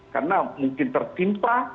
karena mungkin tertimpa